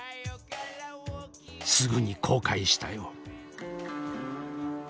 すぐに後悔したよ。